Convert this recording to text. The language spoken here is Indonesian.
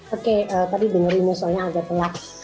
oke tadi dengerin soalnya agak telat